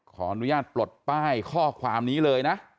ขออนุญาตปลดป้ายข้อความนี้เลยนะ